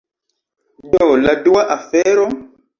Do, la dua afero